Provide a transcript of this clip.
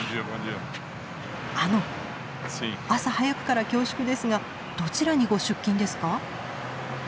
あの朝早くから恐縮ですがどちらにご出勤ですか？